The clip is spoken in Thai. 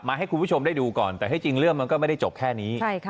ให้คุณผู้ชมได้ดูก่อนแต่ให้จริงเรื่องมันก็ไม่ได้จบแค่นี้